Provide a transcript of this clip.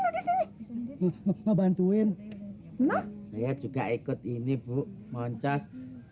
ngebantuin nah saya juga ikut ini bu moncas